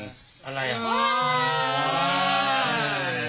ทาง